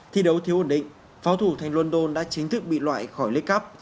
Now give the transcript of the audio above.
thi đấu thiếu ổn định pháo thủ thành london đã chính thức bị loại khỏi league cup